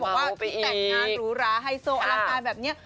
บอกว่าที่แต่งงานหรูหราไฮโซอลังการแบบนี้